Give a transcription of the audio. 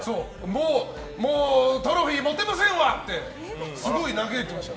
もう、トロフィー持てませんわ！ってすごい嘆いていました。